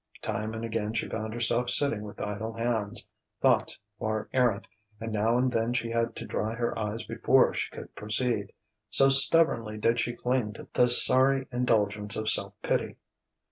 Time and again she found herself sitting with idle hands, thoughts far errant; and now and then she had to dry her eyes before she could proceed: so stubbornly did she cling to the sorry indulgence of self pity!